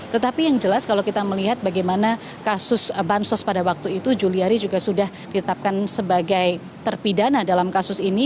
tetapi yang jelas kalau kita melihat bagaimana kasus bansos pada waktu itu juliari juga sudah ditetapkan sebagai terpidana dalam kasus ini